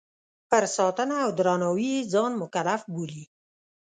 پر ساتنه او درناوي یې ځان مکلف بولي.